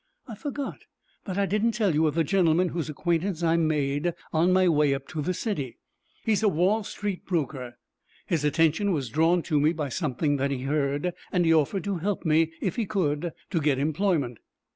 "I forgot that I didn't tell you of the gentleman whose acquaintance I made on my way up to the city. He is a Wall Street broker. His attention was drawn to me by something that he heard, and he offered to help me, if he could, to get employment."